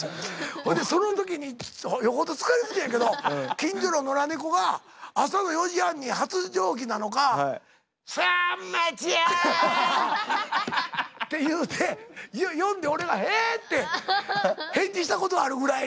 ほいでその時によほど疲れててんやけど近所の野良猫が朝の４時半に発情期なのか「さんまちゃん」って言うて呼んで俺が「えっ！？」って返事したことあるぐらい。